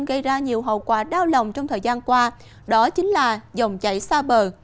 gây ra nhiều hậu quả đau lòng trong thời gian qua đó chính là dòng chảy xa bờ